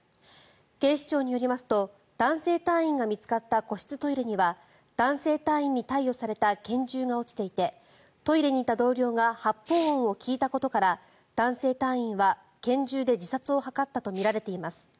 警視庁によりますと男性隊員が見つかった個室トイレには男性隊員に貸与された拳銃が落ちていてトイレにいた同僚が発砲音を聞いたことから男性隊員は拳銃で自殺を図ったとみられています。